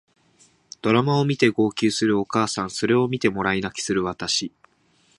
ドラマを見て号泣するお母さんそれを見てもらい泣きする私